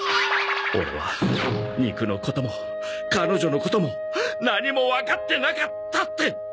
オレは肉のことも彼女のことも何もわかってなかったって！